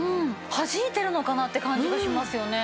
はじいてるのかなって感じがしますよね。